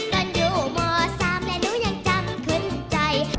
ตอนอยู่หมอสามและหนูยังจำคืนใจ